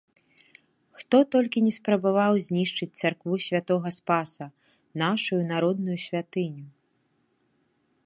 Хто толькі не спрабаваў зьнішчыць царкву Сьвятога Спаса - нашую народную сьвятыню?